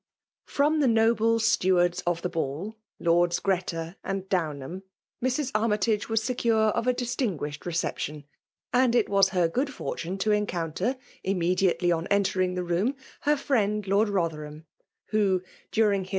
' fVom the noble stewards of the 'ball, Lordi Greta and Downham, Mrs. Armytage iMir sconre of a distingntshed reception j and' it wato her go6d &rtuno to' onconnter, imtfte diately on entering the roooi^ her firtend Lord Rotlierham, who> during hi».